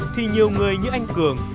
thì nhiều người như anh cường